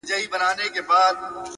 • میاشته کېږي بې هویته، بې فرهنګ یم،